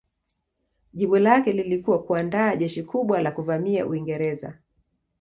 Jibu lake lilikuwa kuandaa jeshi kubwa la kuvamia Uingereza.